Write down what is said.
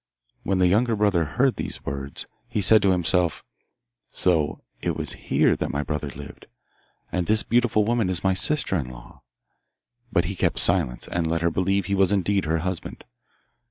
When the younger brother heard these words he said to himself, 'So it was here that my brother lived, and this beautiful woman is my sister in law,' but he kept silence, and let her believe he was indeed her husband.